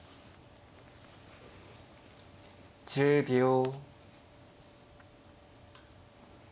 １０秒。